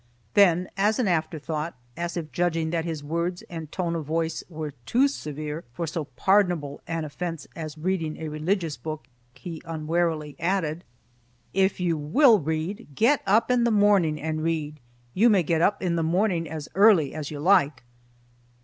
Then, as an afterthought, as if judging that his words and tone of voice were too severe for so pardonable an offense as reading a religious book he unwarily added: "If you will read, get up in the morning and read. You may get up in the morning as early as you like."